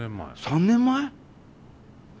３年前！